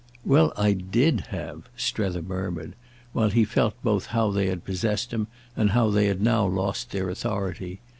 "Well, I did have," Strether murmured, while he felt both how they had possessed him and how they had now lost their authority.